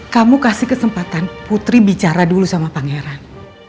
kamu kasih kesempatan putri bicara dulu sama pangeran